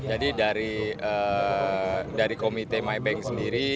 jadi dari komite my bank sendiri